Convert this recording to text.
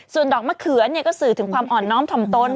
ส่วนดอกมะเขือก็สื่อถึงความอ่อนน้อมถ่อมตน